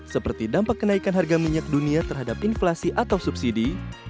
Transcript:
seperti dampak kenaikan harga minyak dunia terhadap inflasi atau subsidi